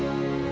gue gak tau